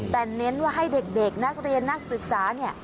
แต่เน้นว่าให้เด็กนักเรียนนักศึกษาเนี่ย